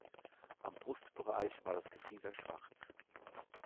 Am Brustbereich war das Gefieder schwarz.